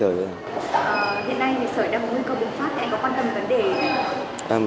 hiện nay sởi đang nguy cơ bùng phát anh có quan tâm đến vấn đề gì